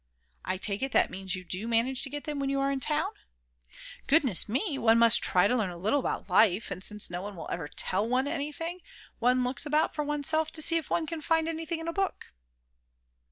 "I take it that means that you do manage to get them when you are in town?" "Goodness me, one must try and learn a little about life; and since no one will ever tell one anything, one looks about for oneself to see if one can find anything in a book."